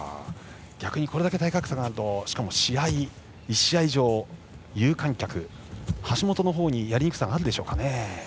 これだけ体格差があるとしかも１試合以上、有観客橋本のほうにやりにくさがあるでしょうか。